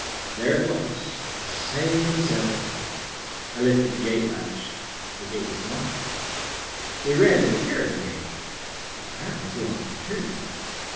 There it was, the same as ever. I lifted the gate latch; the gate was locked. We ran to the carriage gate; that was locked, too.